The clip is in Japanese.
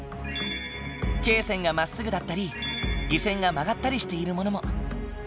経線がまっすぐだったり緯線が曲がったりしているものも。